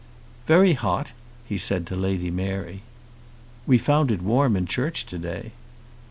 "Very hot," he said to Lady Mary. "We found it warm in church to day."